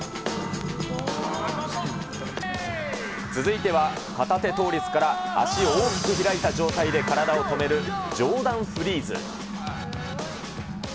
続いては、片手倒立から足を大きく開いた状態で体を止めるジョーダンフリーズ。